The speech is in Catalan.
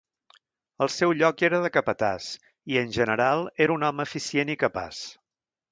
El seu lloc era de capatàs i en general era un home eficient i capaç.